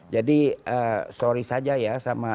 jadi sorry saja ya sama